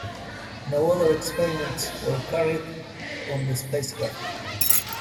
No other experiments were carried on the spacecraft.